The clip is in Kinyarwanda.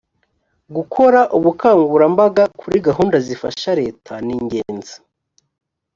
gukora ubukangurambaga kuri gahunda zifasha reta ningenzi.